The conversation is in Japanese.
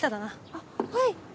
あっはい。